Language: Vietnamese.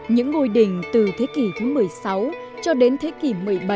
những ngôi đình từ thế kỷ thứ một mươi sáu cho đến thế kỷ một mươi bảy